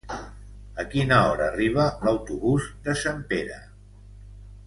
A quina hora arriba l'autobús de Sempere?